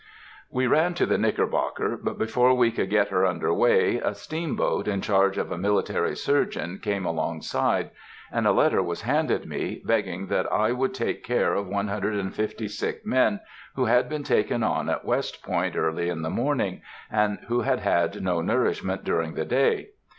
We ran to the Knickerbocker, but before we could get her under way a steamboat, in charge of a military surgeon, came along side, and a letter was handed me, begging that I would take care of one hundred and fifty sick men who had been taken on at West Point early in the morning, and who had had no nourishment during the day.